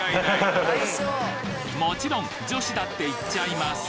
もちろん女子だっていっちゃいます！